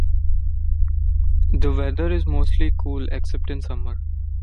The weather is mostly cool, except in summer.